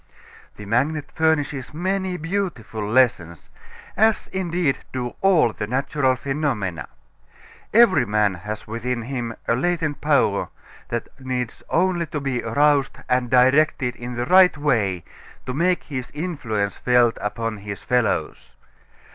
The magnet furnishes many beautiful lessons, as indeed do all the natural phenomena. Every man has within him a latent power that needs only to be aroused and directed in the right way to make his influence felt upon his fellows.